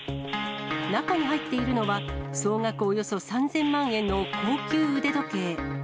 中に入っているのは、総額およそ３０００万円の高級腕時計。